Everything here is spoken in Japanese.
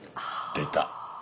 出た。